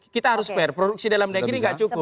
kita harus fair produksi dalam negeri tidak cukup